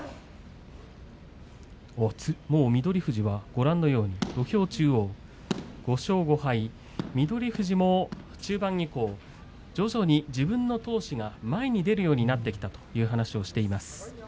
翠富士は土俵中央、５勝５敗翠富士も中盤以降徐々に自分の闘志が出るようになってきたという話をしています。